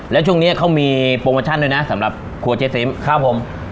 แล้วช่วงนี้เขามีโปรโมชั่นด้วยนะสำหรับครัวเจ๊เซมครับผม